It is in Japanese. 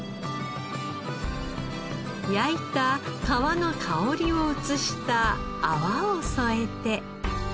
焼いた皮の香りを移した泡を添えて。